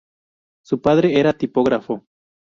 Su padre era tipógrafo.